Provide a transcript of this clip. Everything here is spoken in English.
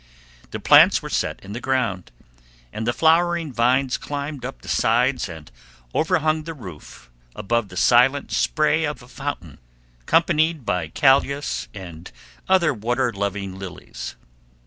The plants were set in the ground, and the flowering vines climbed up the sides and overhung the roof above the silent spray of a fountain companied by callas and other water loving lilies.